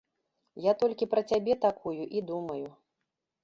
Я толькі пра цябе такую і думаю.